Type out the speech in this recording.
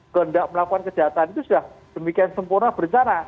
tidak melakukan kejahatan itu sudah semikian sempurna bercara